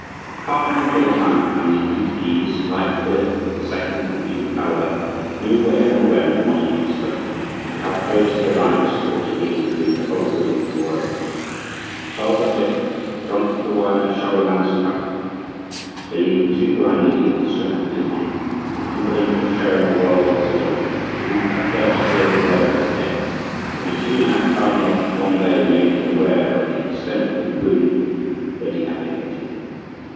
The Cardinal de Lorraine and the Duc de Guise, like Philip the Second and the Duke of Alba, knew where and when the monarchy was threatened, and how close the alliance ought to be between Catholicism and Royalty. Charles the Fifth, drunk with the wine of Charlemagne's cup, believing too blindly in the strength of his monarchy, and confident of sharing the world with Suleiman, did not at first feel the blow at his head; but no sooner had Cardinal Granvelle made him aware of the extent of the wound than he abdicated.